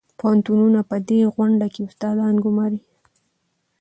پوهنتونونه په دې غونډه کې استادان ګماري.